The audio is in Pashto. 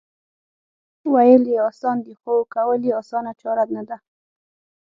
وېل یې اسان دي خو کول یې اسانه چاره نه ده